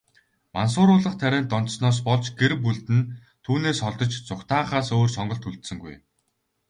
Мансууруулах тарианд донтсоноос болж, гэр бүлд нь түүнээс холдож, зугтаахаас өөр сонголт үлдсэнгүй.